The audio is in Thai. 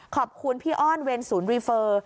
ขอบคุณพี่อ้อนเวรศูนย์รีเฟอร์